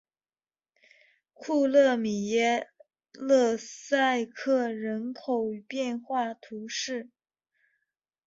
库勒米耶勒塞克人口变化图示